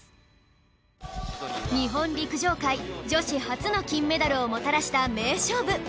日本陸上界女子初の金メダルをもたらした名勝負